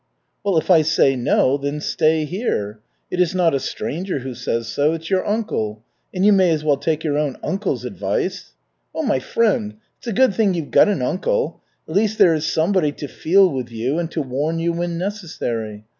"Well, if I say no, then stay here! It is not a stranger who says so. It's your uncle, and you may as well take your own uncle's advice. Oh, my friend! It's a good thing you've got an uncle. At least there is somebody to feel with you and to warn you when necessary.